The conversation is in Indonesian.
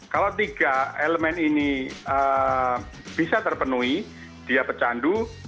kalau tiga elemen ini bisa terpenuhi dia pecandu